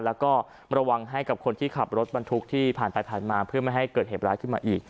แล้วก็ระวังให้กับคนที่ขับรถบรรทุกที่ผ่านไปผ่านมาเพื่อไม่ให้เกิดเหตุร้ายขึ้นมาอีก